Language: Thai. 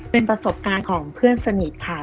เป็นประสบการณ์ของเพื่อนสนิทค่ะ